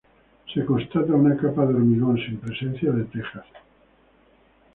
Se constata una capa de hormigón, sin presencia de tejas.